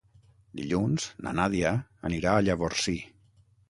Dilluns na Nàdia anirà a Llavorsí.